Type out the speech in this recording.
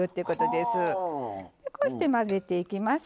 こうして混ぜていきます。